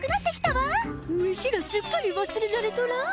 わしらすっかり忘れられとらん？